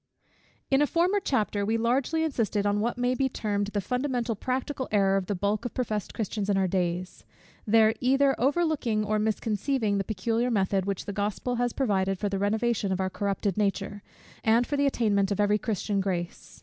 _ In a former chapter we largely insisted on what may be termed the fundamental practical error of the bulk of professed Christians in our days; their either overlooking or misconceiving the peculiar method, which the Gospel has provided for the renovation of our corrupted nature, and for the attainment of every Christian grace.